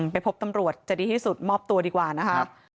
ไปพบตำรวจจะดีที่สุดมอบตัวดีกว่านะคะ